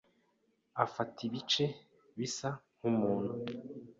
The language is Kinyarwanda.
afata ibice bisa nk’umuntu.